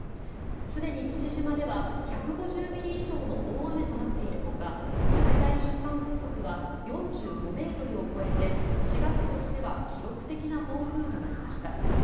すでに父島では１５０ミリ以上の大雨となってるほか最大瞬間風速は４５ｍを超えて４月としては記録的な暴風となりました。